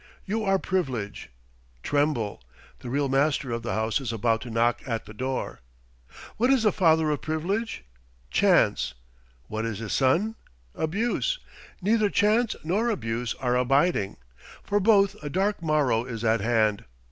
You are Privilege. Tremble! The real master of the house is about to knock at the door. What is the father of Privilege? Chance. What is his son? Abuse. Neither Chance nor Abuse are abiding. For both a dark morrow is at hand.